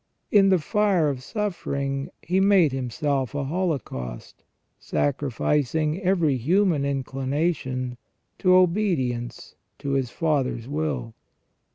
In the fire of suffering He made Himself a holocaust, sacrificing every human inclination to obedience to His Father's will.